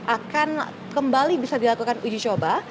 akan kembali bisa dilakukan uji coba